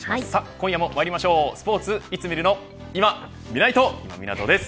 今夜もまいりましょうスポーツいつ見るのいまみないと、今湊です。